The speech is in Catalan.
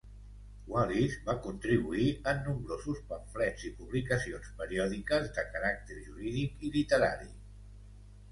Wallis va contribuir en nombrosos pamflets i publicacions periòdiques de caràcter jurídic i literari.